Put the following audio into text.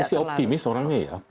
aku sih optimis orangnya ya